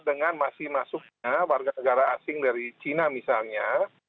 dengan masih masuknya warga negara asing dari cina misalnya